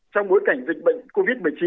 trong bối cảnh dịch bệnh covid một mươi chín